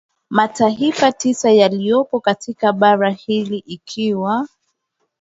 mataifa tisa yaliyopo katika bara hilo ikiwa